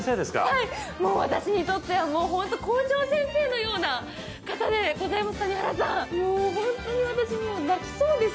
はい、私にとっては本当に校長先生のような方でございます。